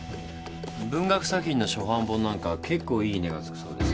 文学作品の初版本なんかはけっこういい値が付くそうです。